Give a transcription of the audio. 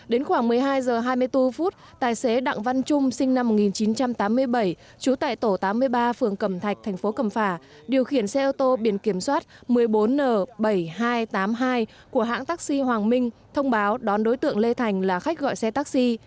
đến khoảng một mươi hai h hai mươi bốn tài xế đặng văn trung sinh năm một nghìn chín trăm tám mươi bảy trú tại tổ tám mươi ba phường cẩm thạch thành phố cẩm phả điều khiển xe ô tô biển kiểm soát một mươi bốn n bảy nghìn hai trăm tám mươi hai của hãng taxi hoàng minh thông báo đón đối tượng lê thành là khách gọi xe taxi